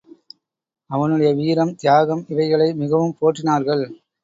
அவனுடைய வீரம் தியாகம் இவைகளை மிகவும் போற்றினார்கள்.